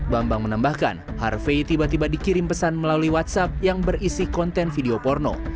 bambang menambahkan harvey tiba tiba dikirim pesan melalui whatsapp yang berisi konten video porno